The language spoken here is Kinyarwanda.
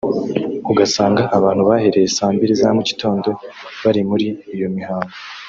ugasanga abantu bahereye saa mbiri za mu gitondo bari muri iyo mihango